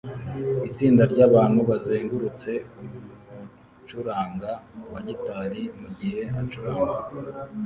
Itsinda ryabantu bazengurutse umucuranga wa gitari mugihe acuranga